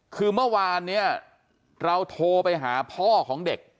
คือเมื่อวานเนี่ยเราโทรไปหาพ่อของเด็ก